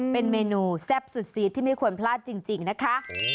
เป็นเมนูแซ่บสุดซีดที่ไม่ควรพลาดจริงนะคะ